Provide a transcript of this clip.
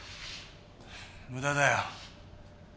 無駄だよ。